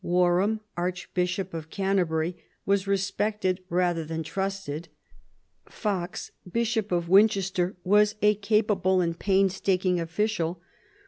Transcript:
Warham, Archbishop of Canterbury, was respected rather than trusted. Fox, Bishop of Winchester, was a capable and painstaking official.